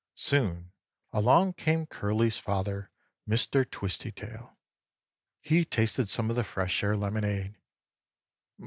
Soon along came Curly's father, Mr. Twistytail. He tasted some of the Fresh Air lemonade.